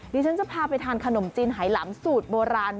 ดิฉันจะพาไปทานขนมจีนไหลำสูตรโบราณ